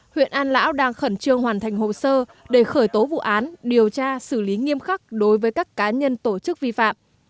huyện an lão đang khẩn trương hoàn thành hồ sơ để khởi tố vụ án điều tra xử lý nghiêm khắc đối với các cá nhân tổ chức vi phạm